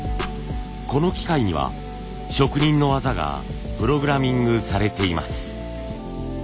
この機械には職人の技がプログラミングされています。